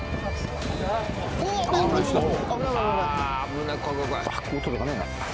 あ、危ない。